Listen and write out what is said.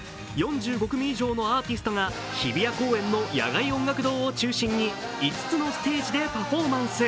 ４５組以上のアーティストが日比谷公園の野外音楽堂を中心に５つのステージでパフォーマンス。